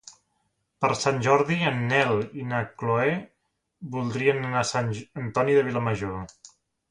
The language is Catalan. Per Sant Jordi en Nel i na Chloé voldrien anar a Sant Antoni de Vilamajor.